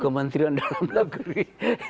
kementerian dalam negeri